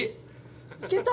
いけた？